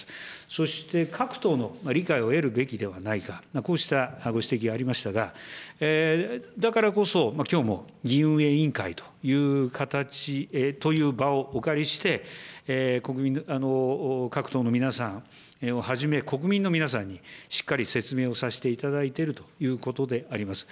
そして、各党の理解を得るべきではないか、こうしたご指摘がありましたが、だからこそ、きょうも議院運営委員会という場をお借りして、各党の皆さんをはじめ、国民の皆さんにしっかり説明をさせていただいているということであります。